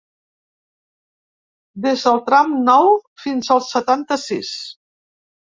Des del tram nou fins al setanta-sis.